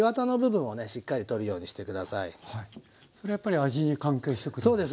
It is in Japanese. これやっぱり味に関係してくるんですか？